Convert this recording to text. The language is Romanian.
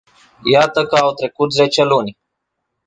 Iată că au trecut zece luni.